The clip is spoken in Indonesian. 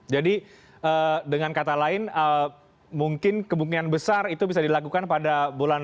jadi dengan kata lain mungkin kemungkinan besar itu bisa dilakukan pada bulan maret